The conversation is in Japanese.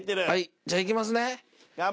じゃあいきますね。